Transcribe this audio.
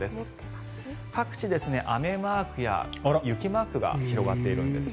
各地、雨マークや雪マークが広がっているんです。